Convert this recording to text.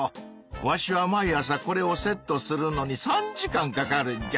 わしは毎朝これをセットするのに３時間かかるんじゃ。